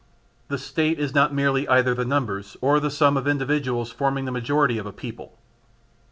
The State is not merely either the numbers or the sum of individuals forming the majority of a people.